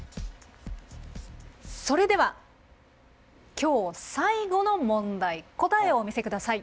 それでは今日最後の問題答えをお見せください。